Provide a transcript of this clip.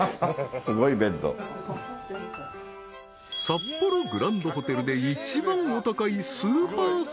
［札幌グランドホテルで一番お高い］